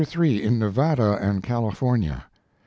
IN NEVADA AND CALIPOENIA.